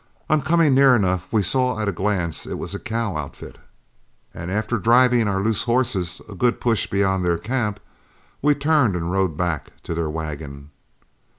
On coming near enough, we saw at a glance it was a cow outfit, and after driving our loose horses a good push beyond their camp, turned and rode back to their wagon.